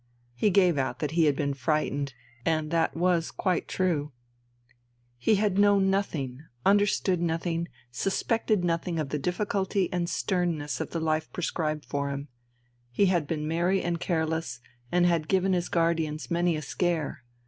He gave out that he had been frightened, and that was quite true. He had known nothing, understood nothing, suspected nothing of the difficulty and sternness of the life prescribed for him; he had been merry and careless, and had given his guardians many a scare.